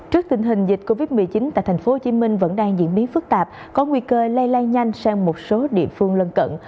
trước tình hình dịch covid một mươi chín tại tp hcm vẫn đang diễn biến phức tạp có nguy cơ lây lan nhanh sang một số địa phương lân cận